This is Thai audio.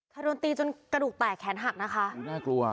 ถ้าโดนตีจนกระดูกแตกแขนหักนะคะอืมน่ากลัวอ่ะ